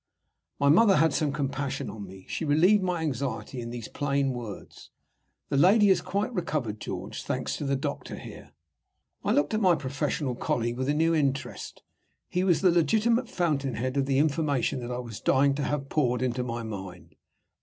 My mother had some compassion on me. She relieved my anxiety in these plain words: "The lady has quite recovered, George, thanks to the doctor here." I looked at my professional colleague with a new interest. He was the legitimate fountainhead of the information that I was dying to have poured into my mind.